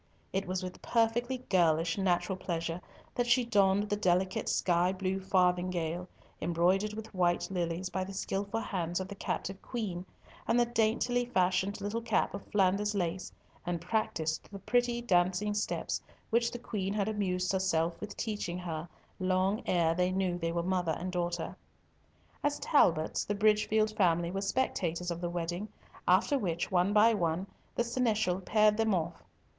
It was with perfectly girlish natural pleasure that she donned the delicate sky blue farthingale, embroidered with white lilies by the skilful hands of the captive Queen, and the daintily fashioned little cap of Flanders lace, and practised the pretty dancing steps which the Queen had amused herself with teaching her long ere they knew they were mother and daughter. As Talbots, the Bridgefield family were spectators of the wedding, after which, one by one, the seneschal paired them off.